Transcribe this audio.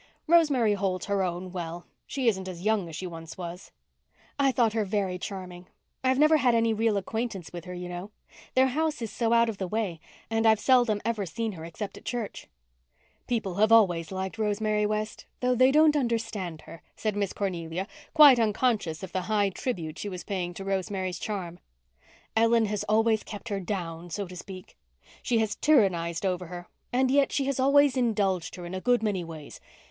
"Rosemary holds her own well. She isn't as young as she once was." "I thought her very charming. I've never had any real acquaintance with her, you know. Their house is so out of the way, and I've seldom ever seen her except at church." "People always have liked Rosemary West, though they don't understand her," said Miss Cornelia, quite unconscious of the high tribute she was paying to Rosemary's charm. "Ellen has always kept her down, so to speak. She has tyrannized over her, and yet she has always indulged her in a good many ways.